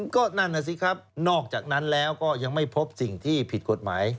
ก็นั่นน่ะสิครับนอกจากนั้นแล้วก็ยังไม่พบสิ่งที่ผิดกฎหมาย